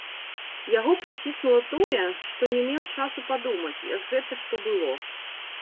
Яго прыціснула тое, што не меў часу падумаць, як гэта што было.